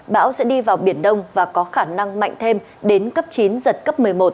bão sẽ đi vào biển đông và có khả năng mạnh thêm đến cấp chín giật cấp một mươi một